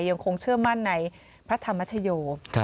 ยังคงเชื่อมั่นในพระธรรมชโย